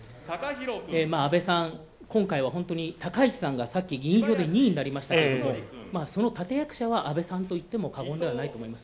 安倍さん、今回は本当に高市さんがさっき議員票で２位になりましたけれどもその立て役者は安倍さんといっても過言ではないと思います。